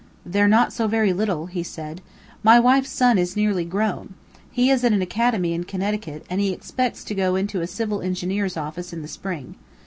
"They're not so very little," he said. "My wife's son is nearly grown. He is at an academy in Connecticut, and he expects to go into a civil engineer's office in the spring.